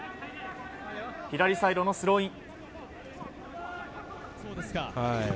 左サイドのスローイン。